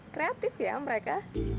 kreatif ya mereka